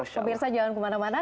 pemirsa jangan kemana mana